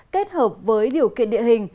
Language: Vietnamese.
kết hợp với điều kiện địa hình